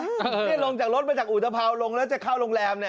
นี่ลงจากรถมาจากอุทภาวลงแล้วจะเข้าโรงแรมเนี่ย